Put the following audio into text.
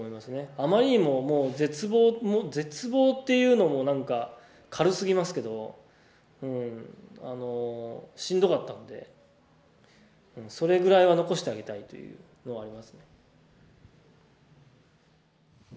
あまりにももう絶望絶望っていうのもなんか軽すぎますけどしんどかったのでそれぐらいは残してあげたいというのはありますね。